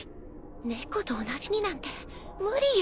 猫と同じになんて無理よ。